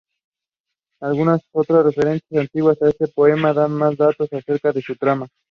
Algunas otras referencias antiguas a este poema dan más datos acerca de su trama.